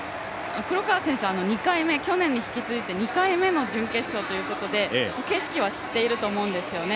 黒川選手は去年に引き続いて２回目の準決勝ということで景色は知っていると思うんですよね。